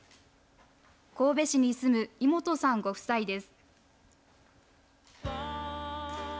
神戸市に住む井本さんご夫妻です。